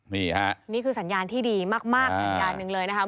นี่ค่ะนี่คือสัญญาณที่ดีมากสัญญาณหนึ่งเลยนะครับ